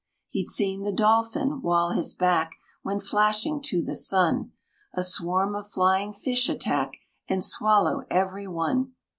He'd seen the dolphin, while his back Went flashing to the sun, A swarm of flying fish attack, And swallow every one!